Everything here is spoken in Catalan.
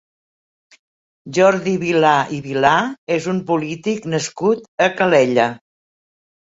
Jordi Vilà i Vilà és un polític nascut a Calella.